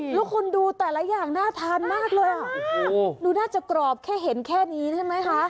แล้วคุณดูแต่ละอย่างน่าทานมากเลยอ่ะดูน่าจะกรอบแค่เห็นแค่นี้ใช่ไหมคะ